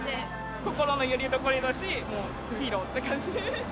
心のよりどころだしもうヒーローって感じ。